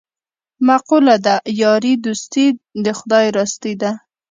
مقوله ده: یاري دوستي د خدای راستي ده.